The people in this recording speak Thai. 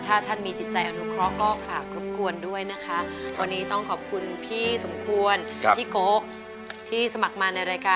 ถ้าท่านมีจิตใจอนุเคราะห์ก็ฝากรบกวนด้วยนะคะ